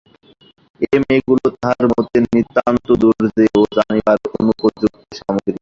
এই মেয়েগুলা তাঁহার মতে নিতান্ত দুর্জ্ঞেয় ও জানিবার অনুপযুক্ত সামগ্রী।